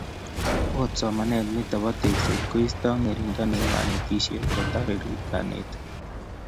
Akot somanet nito bo tekset koisto ngerindo nebo kanetisiet, kotako reru kanetik.